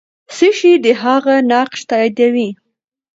څه شی د هغې نقش تاییدوي؟